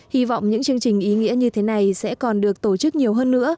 hy vọng những chương trình ý nghĩa như thế này sẽ còn được tổ chức nhiều hơn nữa